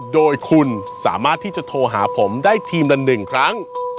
โดยคุณสามารถที่จะโทรหาผมได้ทีมละ๑ครั้ง